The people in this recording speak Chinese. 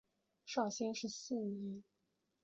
绍兴十四年。